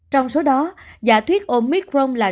trong số đó giả thuyết omicron là